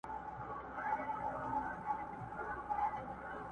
له مړاني څخه خلاص قام د کارګانو،